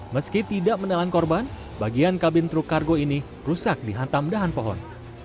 meski tidak menelan korban bagian kabin truk kargo ini rusak dihantam dahan pohon